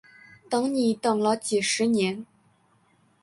等你等了几十年